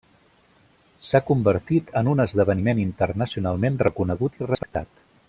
S'ha convertit en un esdeveniment internacionalment reconegut i respectat.